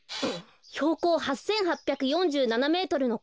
ひょうこう８８４７メートルのこうざん